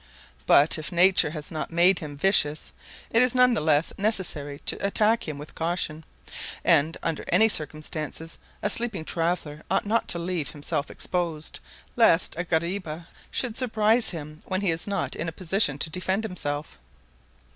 But if nature has not made him vicious, it is none the less necessary to attack him with caution, and under any circumstances a sleeping traveler ought not to leave himself exposed, lest a guariba should surprise him when he is not in a position to defend himself.